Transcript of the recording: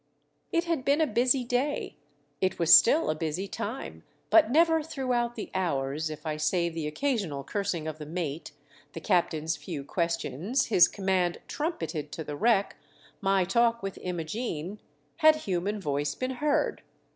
It had been a busy day, it was still a busy time ; but never throughout the hours, if I save the occasional cursing of the mate, the 312 THE DEATH SHIP. captain's few questions, his command trum petted to the wreck, my talk with Imogene, had human voice been heard.